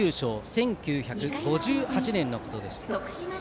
１９５８年のことでした。